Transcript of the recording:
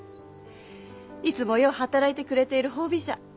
いつもよう働いてくれている褒美じゃ。